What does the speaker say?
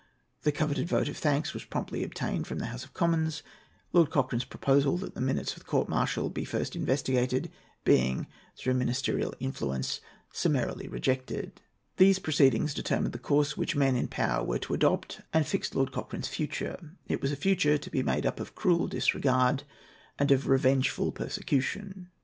The coveted vote of thanks was promptly obtained from the House of Commons; Lord Cochrane's proposal that the minutes of the court martial be first investigated being, through ministerial influence, summarily rejected. These proceedings determined the course which men in power were to adopt, and fixed Lord Cochrane's future. It was a future to be made up of cruel disregard and of revengeful persecution.[A] [Footnote A: See Appendix (I.).